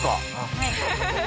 はい。